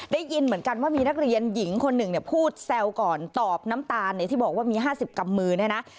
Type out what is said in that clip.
ได้ยินเหมือนกันว่ามีนักเรียนหญิงคนหนึ่งเนี่ยพูดแซวก่อนตอบน้ำตาลที่บอกว่ามี๕๐กำมือเนี่ยนะ